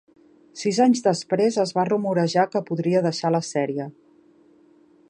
Sis anys després, es va rumorejar que podria deixar la sèrie.